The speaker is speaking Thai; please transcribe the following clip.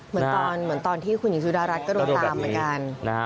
เหมือนตอนที่คุณหญิงสุดารักษ์ก็โดดตามเหมือนกัน